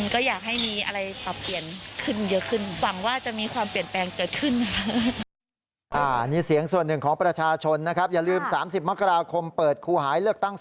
ก็อยากให้มีอะไรปรับเปลี่ยนขึ้นเยอะขึ้นหวังว่าจะมีความเปลี่ยนแปลงเกิดขึ้นนะคะ